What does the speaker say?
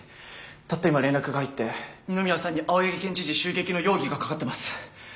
たった今連絡が入って二宮さんに青柳県知事襲撃の容疑がかかってます。